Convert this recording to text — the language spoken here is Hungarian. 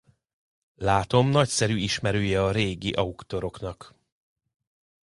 Látom, nagyszerű ismerője a régi auctoroknak!